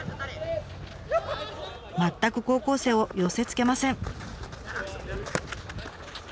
全く高校生を寄せつけません。